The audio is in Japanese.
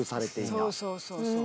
そうそうそうそう。